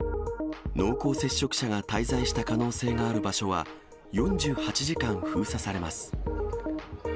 濃厚接触者が滞在した可能性がある場所は、４８時間封鎖されます。